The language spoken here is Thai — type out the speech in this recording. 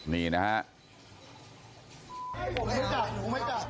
นี่นะครับ